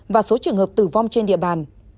và số trường hợp tử vong trên địa bàn